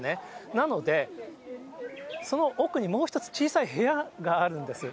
なので、その奥にもう１つ小さい部屋があるんです。